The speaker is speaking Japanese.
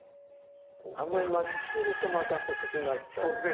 あんまり巻きすぎるとまた細くなっちゃうんです。